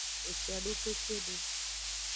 Eshiedo kekede.